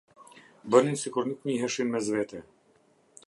Bënin sikur nuk njiheshin mes vete.